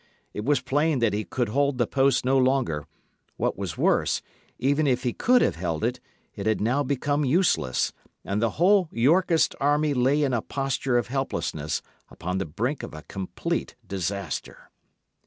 It was plain that he could hold the post no longer; what was worse, even if he could have held it, it had now become useless; and the whole Yorkist army lay in a posture of helplessness upon the brink of a complete disaster.